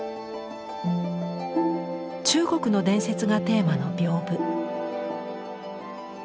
中国の伝説がテーマの屏風。